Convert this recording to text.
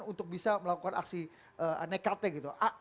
untuk bisa melakukan aksi nekatnya gitu